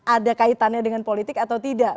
ada kaitannya dengan politik atau tidak